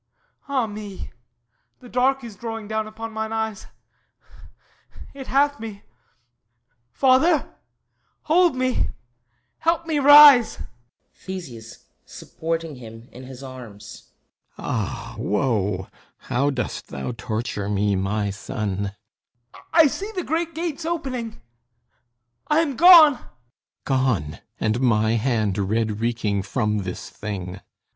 ... Ah me, The dark is drawing down upon mine eyes; It hath me! ... Father! ... Hold me! Help me rise! THESEUS (supporting him in his arms) Ah, woe! How dost thou torture me, my son! HIPPOLYTUS I see the Great Gates opening. I am gone. THESEUS Gone? And my hand red reeking from this thing!